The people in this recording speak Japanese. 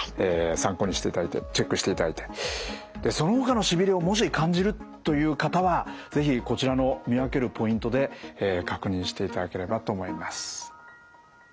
参考にしていただいてチェックしていただいてでそのほかのしびれをもし感じるという方は是非こちらの見分けるポイントで確認していただければと思います。